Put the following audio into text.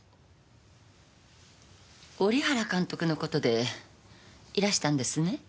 織原監督の事でいらしたんですね？